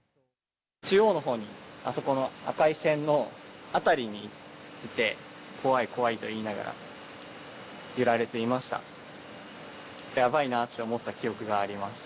中央のほうに、あそこの赤い線の辺りにいて、怖い怖いと言いながら、揺られていました。